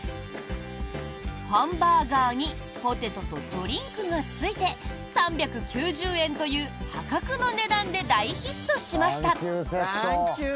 ハンバーガーにポテトとドリンクがついて３９０円という破格の値段で大ヒットしました。